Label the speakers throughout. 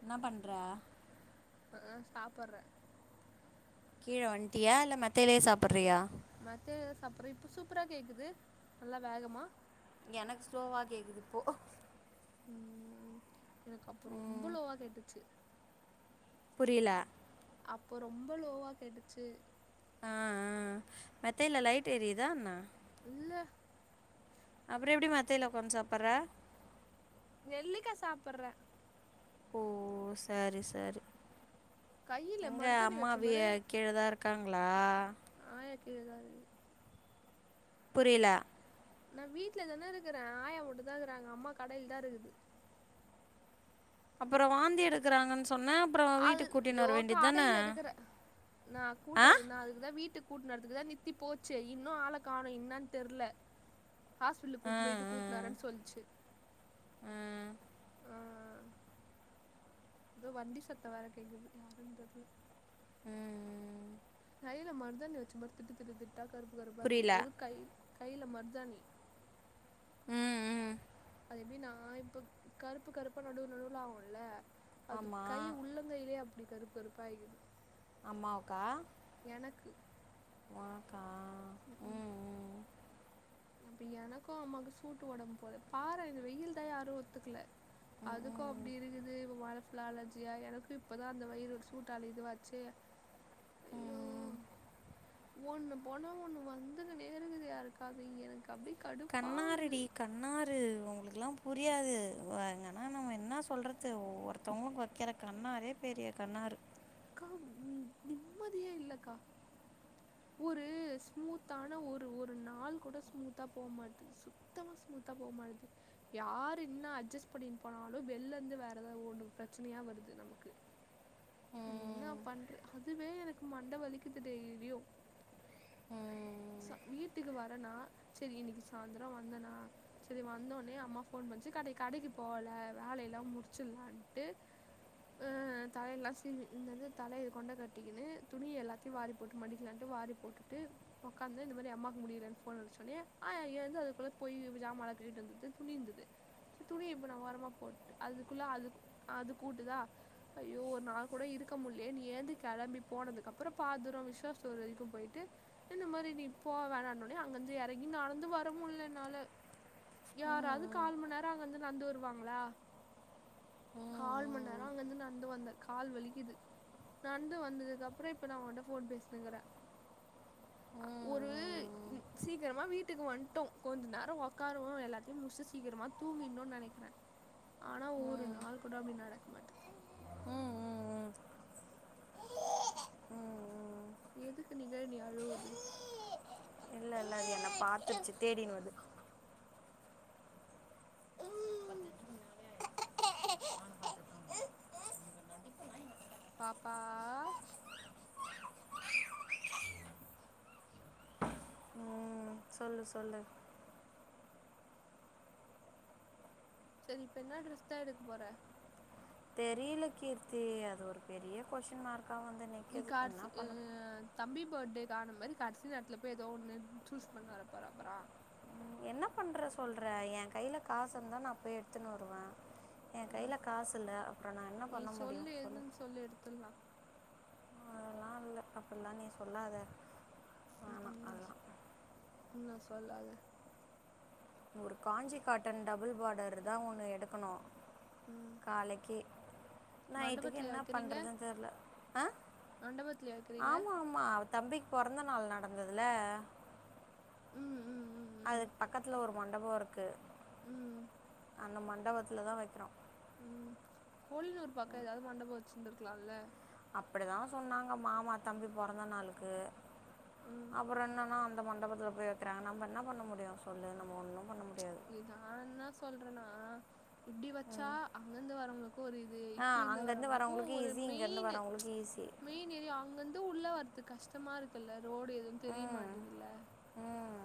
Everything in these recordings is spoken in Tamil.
Speaker 1: என்னா பண்ற
Speaker 2: உம் சாப்புட்றே
Speaker 1: கீழ வண்ட்டியா இல்ல மேத்தைலே சாப்புட்றியா
Speaker 2: மேத்தைலதா சாப்புட்றே இப்போ சூப்பரா கேக்குது நல்லா வேகமா
Speaker 1: எனக்கு ஸ்லோவா கேக்குது இப்போ
Speaker 2: ம் எனக்கு அப்பொ ரொம்ப
Speaker 1: ம்
Speaker 2: லோவா கேட்டுச்சு
Speaker 1: புரியலே
Speaker 2: அப்பொ ரொம்ப லோவா கேட்டுச்சூ
Speaker 1: ஆ ஆ மேத்தைல லைட் எரியுதா என்ன
Speaker 2: இல்ல
Speaker 1: அப்றோ எப்டி மெத்தைல ஒக்காந்து சாப்புற
Speaker 2: நெல்லிக்கா சாப்புறே
Speaker 1: ஓ செரி செரி
Speaker 2: கையில
Speaker 1: எங்க
Speaker 2: மருதாணி
Speaker 1: அம்மா
Speaker 2: வச்ச
Speaker 1: வி
Speaker 2: பாரு
Speaker 1: கீழ தா இருக்காங்ளா
Speaker 2: ஆயா கீழ தா இருக்குது
Speaker 1: புரில
Speaker 2: நா வீட்லதானே இருக்குறே ஆயா மட்டு தாக்குறாங்க அம்மா கடைல் தாருக்குது
Speaker 1: அப்றோ வாந்தி எடுக்குறாங்கன் சொன்ன
Speaker 2: அது யோ கடைல இருக்குற நா
Speaker 1: ஆ
Speaker 2: கூட்டது நா அதுக்கு தா வீ ட்டு கூட்னு வரதுக்கு தா நித்தி போச்சு இன்னு ஆள காணோ என்னன் தெர்ல ஹாஸ்பிட்லு
Speaker 1: ஆ
Speaker 2: கூட்ன் போய்ட்டு கூட்னு வரேன்
Speaker 1: ஆ
Speaker 2: சொல்ச்சு
Speaker 1: ஆ
Speaker 2: எதோ வண்டி சத்தோ வேற கேக்குது யாருன் தெர்ல
Speaker 1: ம் ம்
Speaker 2: கைல மருதாணி வச்சு படுத்துட்டு திட்டு திட்டா கருப்பு கருப்பாருக்கு
Speaker 1: புரியல
Speaker 2: எதுக்கு கை கைல மர்தாணி
Speaker 1: ம் ம்
Speaker 2: அது எப்டின்னா இப்ப கருப்பு கருப்பா நடு நடுவுல ஆவுல அது கை
Speaker 1: ஆமாம்
Speaker 2: உள்ள ங்கைலே அப்டி கருப் கருப்பாயிக்குது
Speaker 1: அம்மாவுக்கா
Speaker 2: எனக்கு
Speaker 1: ஒனக்கா ம் ம்
Speaker 2: அப்ப எனக்கு அம்மாக்கு சூட்டு ஒடம் போல பாரே இது வெயில் தா யாரு ஒத்துக்ல
Speaker 1: ம்
Speaker 2: அதுக்கு
Speaker 1: ம்
Speaker 2: அப்டி இருக்குது இப்ப ஒட ஃபுல்லா அலர்ஜியா எனக்கு இப்பதா அந்த வயிறு ஒரு சூட்டால இதுவாச்சு ஐயோ
Speaker 1: ம்
Speaker 2: ஒண்ணு போனா ஒண்ணு வந்துங்குன்னே இருக்குது யாருக்கா து எனக்கு அப்டி கடுப்
Speaker 1: கண்ணாருடி க ரு உங்ளுக்கல்லா புரியாது வா இங்கன்னா நம்ம என்னா சொல்றது ஒவ்வொருத்தோங்ளுக்கு வக்கிற கண்ணாரே பெரிய கண்ணாரு
Speaker 2: கா நிம்மதியே இல்லக்கா ஒரு ஸ்மூத்தான ஒரு ஒரு நாள் கூட ஸ்மூத்தா போமாட்டுது சு த்தமா ஸ்மூத்தா போமாட்டுது யாரு இன்னா அட்ஜஸ்ட் பண்ணிட் போனாலு வெள்லந்து வேறு எதாவ்து ஓடு பிரச்சனயா வருது நமக்கு நா இன்னா
Speaker 1: ம்
Speaker 2: பண்ற அதுவே எனக்கு மண்ட வலிக்குது டெய்லியு
Speaker 1: ம்
Speaker 2: ச வீட்டுக்கு வரனா செரி இன்னக்கி சாய்ந்தரோ வந்தனா செரி வந்தோன்னே அம்மா ஃபோன் பண்ச்சு கடை கடைக்கு போல வேலயெல்லா முடிச்சிட்லான்ட்டு ஆ தலையெல்லா சீவி இன்னது தலைய கொண்ட கட்டிக்கினு துணி எல்லாத்தையு வாரி போட்டு மடிக்லான் ட்டு வாரி போட்டுட்டு ஒக்காந்து இந்த மாரி அம்மாக்கு முடிலன் ஃபோன் அடிச்சோனே ஆயா எழுந்து அதுக்குள்ள போய் ஜாமாலா கழுவிட்டு வந்துது துணி இந்துது சே துணி இப்ப நா ஓரமா போட்டு அதுக்குள்ள அதுக் அது கூட்டுதா அய்யோ ஒர் நாள் கூட இருக்க முட்லயேன் ஏந்து கெளம்பி போனதுக்கப்றோ பாதூரோ விசாஸ் கூல் வரைக்கும் போய்ட்டு இந்த மாரி நீ போ வேணான்னோனே அங்கந்து எறங்கி நடந்து வர முல்ல என்னால
Speaker 1: ம்
Speaker 2: யாராவ்து
Speaker 1: ம்
Speaker 2: கால் மண்நேரோ அங்கந்து நந்து வருவாங்ளா கால் மண் நே ரோ அங்கந்து நந்து வந்தே கால் வலிக்கிது நந்து வந்ததுக்கப்றோ இப்ப நா ஓன்ட்ட ஃபோன் பே ங்கறா ஆ ஒரு சீக்கிரமா வீட்டுக்கு வந்துட்டோ கொஞ்ச நேரோ உக்காருவோ எல்லாத்தையு முடிச்சு சீக்கிரமா தூங்கிண்னு நெனைக்கிற ஆனா ஒரு நாள் கூட அப்டி நடக்க மாட்டித்
Speaker 1: ம் ம் ம் ம் ம்
Speaker 2: எதுக்கு நிவேனி அழுவுது
Speaker 1: இல்ல இல்ல அது என்ன பாத்துருச்சி தேடினுவருது
Speaker 2: பாப்பா ஆ
Speaker 1: ம் சொல்லு சொல்லு
Speaker 2: செரி இப்ப என்ன டிரெஸ்தா எடுக்க போற
Speaker 1: தெரியல கீர்த்தி அது ஒரு பெரிய கொஸ்டின் மார்க்கா வந்து நிக்
Speaker 2: [unintelligible] தம்பி பர்த்டேகு ஆன மாரி கடைசி நேரத்துல போய் ஏதோ ஒண்ணு சூஸ் பண்ணாரு வர போற அப்பறோ
Speaker 1: ம், என்ன பண்ற சொல்ற ஏ கையில காசு இருந்தா நா போய் எடுத்துன்னு வருவே ஏ
Speaker 2: ஆ
Speaker 1: கையில காசு இல்ல அப்றோ நா என்ன
Speaker 2: நீ
Speaker 1: பண்ண முடியு சொல்லு
Speaker 2: எதுன்னு சொல்லி எடுத்தறலா
Speaker 1: அப்பில்லா நீ சொல்லாத
Speaker 2: ம்
Speaker 1: வேணாம்
Speaker 2: ம்
Speaker 1: அதெல்லாம்
Speaker 2: ம் என்ன சொல்லாத
Speaker 1: ஒரு காஞ்சி காட்டன் டபுள் பார்டர் தா ஒண்ணு எடுக்கணு
Speaker 2: ம்
Speaker 1: காலிக்கி நைட்டுக்கு
Speaker 2: மண்டபத்துலயா
Speaker 1: என்ன
Speaker 2: வைக்கிறீங்க
Speaker 1: பண்றதுன்னு தெர்ல அ
Speaker 2: மண்டபத்துலயா வைக்கிறீங்க
Speaker 1: ஆமா ஆமா அவ தம்பிக்கு பொறந்த நாள் நடந்ததுல
Speaker 2: ம் ம் ம் ம்
Speaker 1: அதுக்கு பக்கத்துல ஒரு மண்டபோ இருக்கு
Speaker 2: ம்
Speaker 1: அந்த மண்டபத்தில தா வைக்கிறோ
Speaker 2: ம் கோழினூர் பக்க எதாவது மண்டபோ வெச்சிருந்திருக்கலால்ல
Speaker 1: அப்பிடிதா சொன்னாங்க மாமா தம்பி பொறந்த நாளுக்கு
Speaker 2: ம்
Speaker 1: அப்பறோ என்னன்னா அந்த மண்டபத்துல போய் வெக்கிறாங் நம்ம என்னா பண்ண முடியு சொல்லு நம்ம ஒண்ணு பண்ண முடி
Speaker 2: [unintelligible] நா என்ன சொல்றேனா இப்டி வெச்சா அங்க இருந்து வரவங்களுக்கு ஒரு இது
Speaker 1: ஆ
Speaker 2: இப்டி இருந்து வரவங்களுக்கு ஒரு மெயின்னு
Speaker 1: ஈசி
Speaker 2: மெயின் ஏரியா அங்க இருந்து உள்ள வரறதுக் கஷ்டமா இருக்குல்ல ரோடு எதுவு தெரிய
Speaker 1: ம்
Speaker 2: மாட்டிதில்ல
Speaker 1: ம்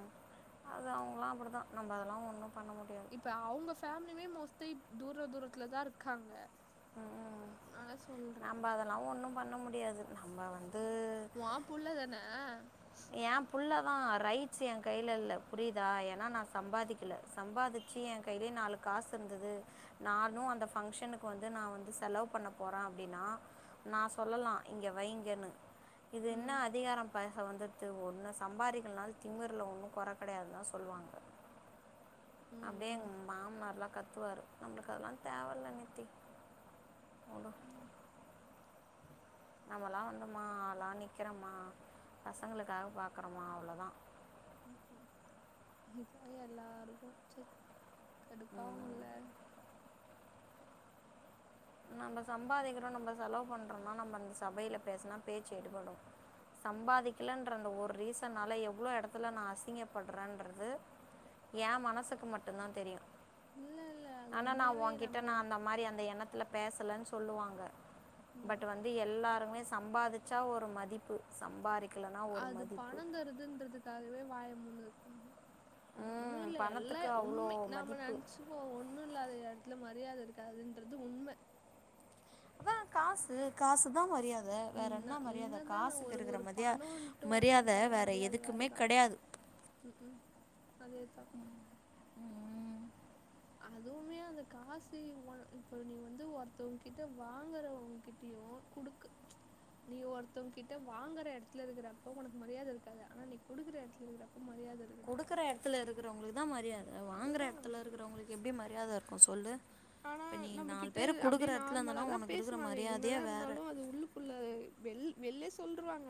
Speaker 1: அது அவுங்களா அப்பிடிதா நம்ம அதுல்லா ஒண்ணு பண்ண முடியாது
Speaker 2: இப்ப அவங்க ஃபேமிலியுமே மோஸ்ட்டா தூர தூரத்துலதா இருக்காங்க
Speaker 1: ம்
Speaker 2: அதனால சொல்ற
Speaker 1: அதெல்லா ஒன்னு பண்ண முடியாது நம்ம வந்து
Speaker 2: [unintelligible] புள்ளதானே
Speaker 1: ஏ புள்ளதா ரைட்ஸ் ஏ கையில இல்ல புரியுதா ஏன்னா நா சம்பாதிக்கல சம்பாதிச் ச்சி ஏ கையிலி நாலு காசு இருந்தது நானு அந்த பங்க்ஷனுக்கு வந்து நா வந்து செலவு பண்ண போறே அப்டின்னா நா சொல்லலா இங்க வைங்கன்னு இது என்ன
Speaker 2: ம்
Speaker 1: அதிகார பேச வந்தது ஒன்னு சம்பாதிக்கலானாலு திமிர்ல ஒன்னு கொற கெடையாது தா சொல்லுவாங்க
Speaker 2: ம்
Speaker 1: அப்டியே
Speaker 2: ம்
Speaker 1: எங்க மாமனார்லா கத்துவாரு நம்மளுக்கு அதெல்லா தேவ இல்ல நித்தி விடு நம்மலா வந்துமா ஆளா நிக்கிறமா பசங்களுக்காக பாக்குறமா அவ்ளோதா
Speaker 2: ம் இத எல்லாருக்கும் சை கடுப்பாவும் இல்ல
Speaker 1: நம்ம சம்பாதிக்கிறோம் நம்ம செலவு பண்ணுறோம்னா நம்ம அந்த சபையில பேசனா பேச்சி எடுபடும் சம்பாதிக்கலன்ற அந்த ஒரு ரீசனால எவ்ளோ எடத்துல நா அசிங்கப்பட்றேன்றது ஏம் மனசுக்கு மட்டுந்தா தெரியும்
Speaker 2: இல்ல இல்ல அது
Speaker 1: ஆனா நா
Speaker 2: உண்மையாவே
Speaker 1: உன்கிட்ட
Speaker 2: நம்போ
Speaker 1: நா அந்த மாறி அந்த எண்ணத்துல பேசலன்னு சொல்லுவாங்க
Speaker 2: ம்
Speaker 1: பட் வந்து எல்லாருமே சம்பாதிச்சா ஒரு மதிப்பு சம்பாரிக்
Speaker 2: அது பணம் தருதுன்றதுக்காகவே வாய முடினு இருப்பாங்க ஒன்னும்
Speaker 1: ம்
Speaker 2: இல்ல எல்லா
Speaker 1: பணத்துக்கு அவ்வளோ
Speaker 2: உம்மை நாம
Speaker 1: மதிப்பு
Speaker 2: நெனச்சு இப்போ ஒண்ணும் இல்லாத இடத்துல மரியாத இருக்காதுன்றது உண்ம
Speaker 1: அதா காசு காசுதா மரியாத வேற
Speaker 2: நீ
Speaker 1: வேற என்ன
Speaker 2: நீ
Speaker 1: மரியாத
Speaker 2: என்னதான
Speaker 1: காசுக்கு
Speaker 2: ஒரு
Speaker 1: இருக்கிற
Speaker 2: ஒரு
Speaker 1: மரியா
Speaker 2: பணோன்ட்டு ஒன்ட்டு
Speaker 1: மரியாத
Speaker 2: வன்ட்டாலே
Speaker 1: வேற
Speaker 2: மரியாத
Speaker 1: எதுக்குமே
Speaker 2: வேறதான்
Speaker 1: கிடையாது
Speaker 2: ம் ம் அதேதா அதுவுமே அந்த காசு இப்ப நீ வந்து ஒருத்தவங்க கிட்ட வாங்கறவங்க கிட் யோ குடுக்க நீ ஒருத்தவங்க கிட்ட வாங்கற எடத்துல இருக்கிறப்ப உனக்கு மரியாத இருக்காது ஆனா நீ குடுக்குற எடத்துல இருக்கிறப்ப மரியாத இருக்கு
Speaker 1: குடுக்கற எடத்துல இருகறவங்களுக்கு தா மரியாத வாங்ற
Speaker 2: அதுதா
Speaker 1: எடதுல இருகறவங்களுக்கு எப்டி மரியாத இருக்கும் சொல்லு
Speaker 2: ஆனா
Speaker 1: இப்ப நீ நாலு
Speaker 2: நம்மகிட்ட
Speaker 1: பேரு
Speaker 2: அப்படியே
Speaker 1: குடுக்குற எடத்துல இருந்தனா
Speaker 2: நார்மலாதா
Speaker 1: உனக்கு இருக்கிற
Speaker 2: பேசுவாங்க
Speaker 1: மரியாதையே
Speaker 2: என்னதா
Speaker 1: வேற
Speaker 2: இருந்தாலு அது உள்ளுக் உள்ள வெள் வெள்ளே சொல்ருவாங்க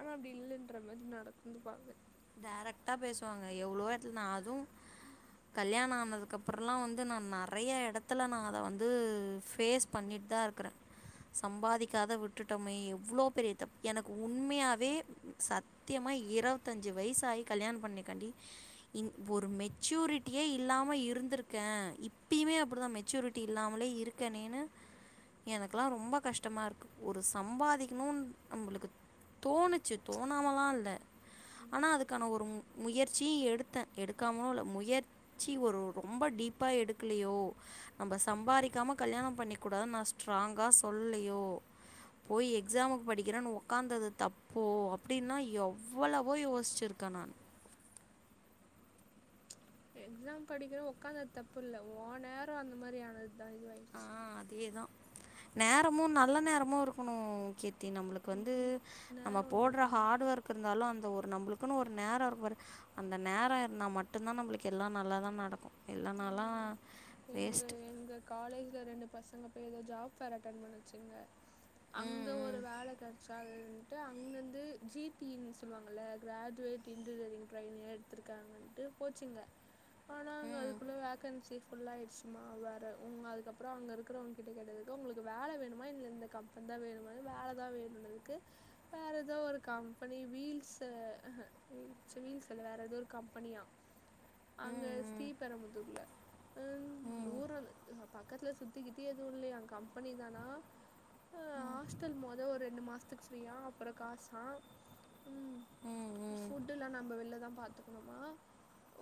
Speaker 2: ஆனா அப்டி இல்லன்ற மாறி நடந்துபாங்க
Speaker 1: டைரக்டா பேசுவாங்க எவ்ளோ இடத்துல நான் அதும் கல்யாண ஆனதுக் அப்புறம்ல்லா வந்து நான் நெறய எடத்துல நான் அத வந்து ஃபேஸ் பண்ணிட்டுதா இருக்குறேன் சம்பாதிகாத விட்டுடோமே எவ்ளோ பெரிய தப் எனக்கு உண்மையாவே சத் த்தியமா இரவத்தஞ்சி வயஸ் ஆயி கல்யாணம் பண்ணிகண்டி இ ஒரு மெச்சூரிட்டியே இல்லாம இருந்திருக்கேன் இப்பயுமே அப்படிதா மெச்சூரிட்டி டி இல்லாமலே இருக்கனேனு எனக்கெலாம் ரொம்ப கஷ்டமா இருக்கு ஒரு சம்பாதிகணுன் நம்மளுக்கு தோணுச்சி தோணாமலா இல்ல ஆனா அதுக்கான ஒரு முயற்சியும் எடுத்தேன் எடுக்காமுலும் இல்ல முயர் சி ஒரு ரொம்ப டீப்பா எடுகலியோ நம்ம சம்பாரிகாம கல்யாணம் பண்ணிக் கூடாது நா ஸ்ட்ராங்கா சொல்லலயோ போய் எக்சாமுக்கு படிகறன் ஒகாந்தது தப்போ அப்டின்னா எவ் வ்வளவோ யோசிருக்க நானு
Speaker 2: எக்ஸாம் படிக்கிற உட்காந்தது தப்பு இல்ல ஓன் நேரம் அந்த மாறி ஆனதுதா இதுவாயி
Speaker 1: ஆ அதே தா நேரமும் நல்ல நேரமும் இருக்கணு கீர்த்தி நம்பளுக்
Speaker 2: ம்
Speaker 1: வந்து
Speaker 2: ம்
Speaker 1: நம்ம போடுற ஹார்ட்
Speaker 2: நேரோன்றதுதா
Speaker 1: ஒர்க் இருந்தாலு அந்த ஒரு நம்மளுக்குன்னு ஒரு நேரம் இருக்கு பாரு அந்த நேரம் இருந்தா மட்டுதா நம்மளுக்கு எல்லா நல்லதா நடக்கும் இல்லனாலா
Speaker 2: ம் எங்க
Speaker 1: வேஸ்ட்
Speaker 2: எங்க காலேஜ்ல ரெண்டு பசங்க போய் ஏதோ ஜாப் ஃபேர் அட்டன் பண்ணுச்சுங்க அங்க
Speaker 1: ம்
Speaker 2: ஒரு
Speaker 1: ம்
Speaker 2: வேல கெடச்சா அது ட்டு அங்கந்து ஜி டி ன்னு சொல்லுவாங்ல்ல கிராஜுவேட் இன்டிடியரிங் ட்ரைனியே எடுத்திருகாங்கன்டு போச்சுங்க ஆனா அங்க
Speaker 1: ம்
Speaker 2: அதுக்குள்ள வேகன்சி ஃபுல்லாய்டுச்சுமா வேற உங்க அதுக்கப்புற அங்க இருக்கிறவங்க கிட்ட கேட்டதுக்கு உங்களுக்கு வேல வேணுமா இல்ல இந்த கம் தா வேணுமா வேலதா வேணும்னதுக்கு வேற ஏதோ ஒரு கம்பெனி வீல்ஸ் வீல்ஸ் இல்ல வேற ஏதோ ஒரு கம்பெனியா அங்க
Speaker 1: ம்
Speaker 2: ஸ்ரீபெரமுதூர்ல
Speaker 1: ம்
Speaker 2: பக்கத்துல சுத்திக்கித்தி எதுவு இல்லையா கம்பெனி தானா அ ஹாஸ்டல் மொதொ ஒ ரெண்டு மாச த்துக்கு ஃபிரீயா அப்பறோ காசா ம் ஃபுட்லா நம்ம வெள்லதா பாத்துக் கனுமா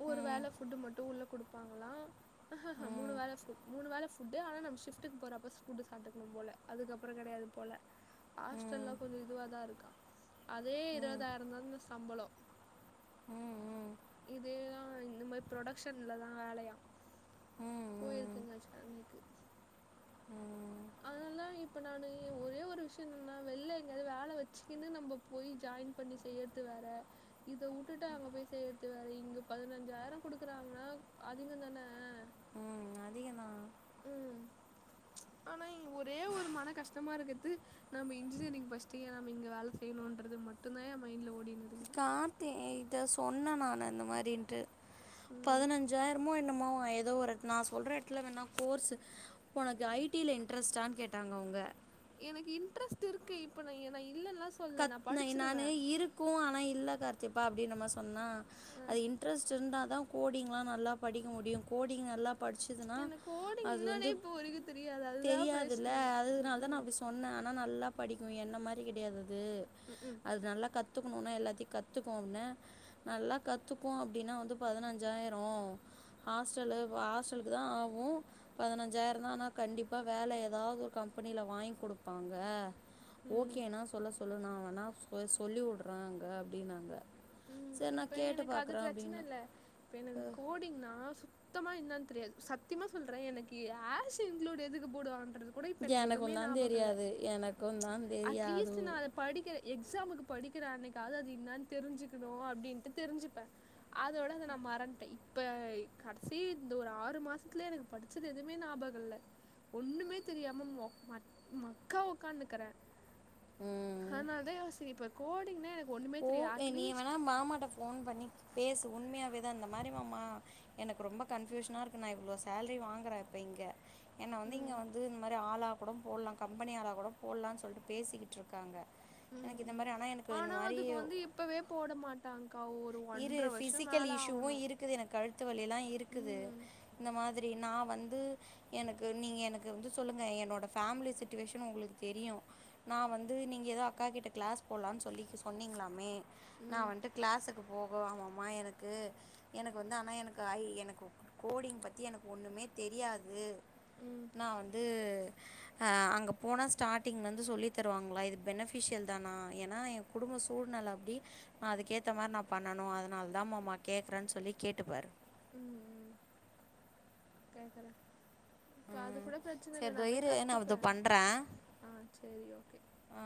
Speaker 2: ஒரு வேள ஃபுட்டு மட்டு உள்ள குடுப்பாங்களா ஹ ஹ ஹ மூணு வேள ஃபுட் மூணு வேள ஃபு ஃபுட்டு ஆனா நம் ஷிஃப்டுக் போறப்ப ஃபுட்டு சாப்ட்டுக்கணு போல அதுக்கப்பறோ கெடையாது போல ஹாஸ்டல்லா கொஞ்சோ இதுவாதா இருக்கா அதே இருவதாய்ரந்தா இந்த சம்பளோ
Speaker 1: ம் ம்
Speaker 2: இது ஆ இந்ந மாரி புரடெக்ஷன்லதா வேலயா
Speaker 1: ம் ம்
Speaker 2: போயிருக்கங்க சென்னைக்கு
Speaker 1: ம்
Speaker 2: அதனால இப்ப நானு ஒரே ஒரு விஷயோ என்னனா வெள்ல எங்காவ்து வேல வெச்சுக்கின்னு நம்ம போய் ஜாயின் பண்ணி செய்யற த்து வேற இத உட்டுட்டு அங்க போய் செய்றது வேற இங்க பதினஞ்சாயிரோ குடுக்குறாங்னா அதிகந்தான
Speaker 1: ம் அதிகந்தா
Speaker 2: ம் ஆனா ஒரே ஒரு மன கஷ்டமா இருக்குது நம்ம இன்ஜினியரிங் பச்ட்டு ஏ நம்ம இங்க வேல செய்ணுன்றது மட்டுந்தா ஏ மைன்ட்ல ஓடினு இருகுது
Speaker 1: கார்த்தி இத சொன்ன நானு இந்த மாரின்ட்டு
Speaker 2: ம்
Speaker 1: பதினஞ்சாயிரமோ என்னமோவா எதோ ஒரு நா சொல்ற எடத்துல வேணா கோர்ஸ்ஸு ஒனக்கு ஐ டி ல இன்ட்ரெஸ்ட்டான் கேட்டாங்க அவ்ங்க
Speaker 2: எனக்கு இன்ட்ரெஸ்ட் இருக்கு இப்ப நா இல் நா இல்லன்லா சொல்லல நா
Speaker 1: கத் னை நானு
Speaker 2: படிச்சிடுவே
Speaker 1: இருக் க்கு ஆனா இல்ல கார்த்திப்பா அப்டின்னு நம்ம சொன்னா
Speaker 2: அ
Speaker 1: அது இன்ட்ரெஸ்ட்டு இருந்தாதா கோடிங்லா நல்லா படிக்க முடியு கோடிங் நல்லா படிச்சதுன்னா
Speaker 2: எனக்கு கோடிங்
Speaker 1: அது
Speaker 2: என்னானே
Speaker 1: வந்து
Speaker 2: இப்போ வரைக்கு தெரியாது அதுதா
Speaker 1: தெரியாதுல்ல
Speaker 2: பிரச்சன ம்
Speaker 1: அதனாலதா நா
Speaker 2: ம்
Speaker 1: அப்டி சொ சொன்னே ஆனா நல்லா படிக்கு என்ன மாரி கெடையாது அது
Speaker 2: ம் ம்
Speaker 1: அது நல்லா கத்துக்கணுனா எல்லாத்தையு கத்துக்கோன்ன நல்லா கத்துக்கு அப்டின்னா வந்து பதினஞ்சாயிரு ஹாஸ்டலு ஹாஸ்டலுக்தா ஆவு பதினஞ்சாயிரோந்தா ஆனா கண்டிப்பா வேல எதாவ்து ஒரு கம்பெனில வாங்கி குடுப்பாங்க
Speaker 2: ம்
Speaker 1: ஓகேனா சொல்ல சொல்லு நா வேணா சொ சொல்லி வுடுறே அங்க அப்டின்னாங்க
Speaker 2: ம் இப்ப எனக்கு அது பிரச்சன இல்ல இப்ப எனக்கு கோடிங்னா சுத்தமா என்னான்னு தெரியாது சத்தியமா சொல்ற எனக்கு ஹேர் சிங் குலோடு எதுக்கு போடுவான்றது கூட இப்ப
Speaker 1: அஹ்
Speaker 2: எனக் எதுவுமே
Speaker 1: எனக்கும் தான்
Speaker 2: நாபகொ இல்ல
Speaker 1: தெரியாது எனக்கும் தான் தெரியாது
Speaker 2: அட்லீஸ்ட் நா அதப் படிக்கிற எக்ஸாமுக்கு படிக்கிற அன்னைக்காது அது என்னான் தெரிஞ்சுக்கணு அப்டின்ட்டு தெரிஞ்சுப்ப அதோட அத நா மறன்ட்ட இப்ப கடைசி இந்த ஒரு ஆறு மாசத்துலே எனக் படுச் ச்சது எதுவுமே நாபகொல்ல ஒன்னுமே தெரியாம மொக் மக் மக்கா உக்கானுக்குற
Speaker 1: ம்
Speaker 2: அதனாலதா யோசிக்கி இப்ப கோடிங்னா எனக்
Speaker 1: ஓ எ நீ வேணா மாமாட்ட ஃபோன் பண்ணி பேசு உண்மையாவேதா இந்த மாரி மாமா எனக்கு ரொம்ப கன்ஃபியூஷனா இருக்கு நா இவ்ளோ சேல்ரி வாங்ற இப்ப இங்க என்ன வந்து இங்க
Speaker 2: ம்
Speaker 1: வந்து இந் மாரி ஆளா கூட போலா கம்பெனி ஆளா கூட போலான்னு சொல்ட்டு பேசிக்கிட்டு இருக்காங்க எனக்கு இந்த மரி ஆனா எனக்கு இந்த மாரி
Speaker 2: இது வந்து இப்பவே போட மாட்டாங்கா ஒரு
Speaker 1: இரு
Speaker 2: ஒன்ற வருஷம்
Speaker 1: ஃபிசிக்கல்
Speaker 2: மேல
Speaker 1: இஷ்யூவும்
Speaker 2: ஆவணும்
Speaker 1: இருக்குது எனக்கு கழுத்து வலில்லா இருக்குது இந்த மாதிரி நான் வந்து எனக்கு நீங்க எனக்கு வந்து சொல்லுங்க என்னோட ஃபேமிலி சுட்டுவேஷன் ஒங்களுக்கு தெரியும் நான் வந்து நீங்க ஏதோ அக்கா கிட்ட க்ளாஸ் போலானு சொல்லி சொன்னீங்களாமே நான்
Speaker 2: ம்
Speaker 1: வந்ட்டு க்ளாஸ் ஓ ஆமமா எனக்கு எனக்கு வந்து ஆனா எனக்கு ஐ எனக் கோடிங் பத்தி எனக் ஒண்ணுமே தெரியாது
Speaker 2: ம்
Speaker 1: நா வந்து ஆ அங்க போனா ஸ்டார்டிங்ல இருந்து சொல்லி தருவாங்களா இது பெனிபிஷியல் தானா ஏன்னா குடும்ப சூழ்நல அப்டி நா அதுக்கேத்த மாரி நா பண்ணணு அதனாலதா மாமா கேக்றே சொல்லி கேட்டுப்பாரு
Speaker 2: ம் ம் ம் கேக்கல இப்போ அது
Speaker 1: ம்
Speaker 2: கூட பிரச்சனை இல்ல
Speaker 1: சரி இதோ
Speaker 2: நான் போய்
Speaker 1: இரு நான் இதோ
Speaker 2: கத்துப்பேன் ஆ செரி ஓகே
Speaker 1: ஆ